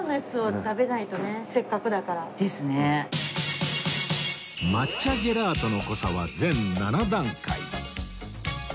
せっかくだから。ですね。抹茶ジェラートの濃さは全７段階